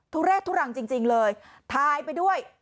ุเรศทุรังจริงเลยทายไปด้วย